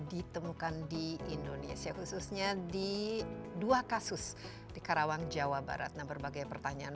ditemukan di indonesia khususnya di dua kasus di karawang jawa barat nah berbagai pertanyaan